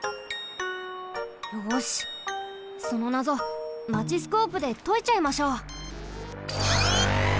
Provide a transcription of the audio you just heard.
よしそのなぞマチスコープでといちゃいましょう。